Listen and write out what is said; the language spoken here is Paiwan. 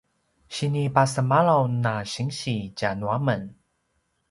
sinipasemalaw na sinsi tja nuamen